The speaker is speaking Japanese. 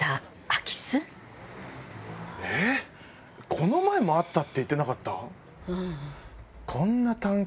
えっこの前もあったって言ってなかった？